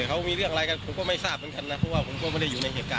เขาก็ครบกันแบบเป็นกันธรรมดานี่แหละ